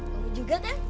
kamu juga kan